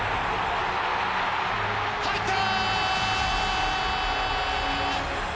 入った！